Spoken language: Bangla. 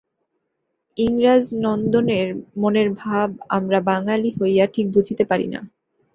ইংরাজনন্দনের মনের ভাব আমরা বাঙালি হইয়া ঠিক বুঝিতে পারি না।